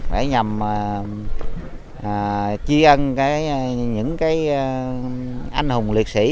để nhằm chi ân những anh hùng liệt sĩ